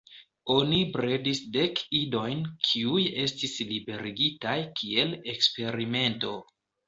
Oni bredis dek idojn kiuj estis liberigitaj kiel eksperimento.